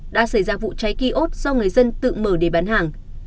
đã xảy ra vụ cháy ký ốt do người dân tự mở để bán hàng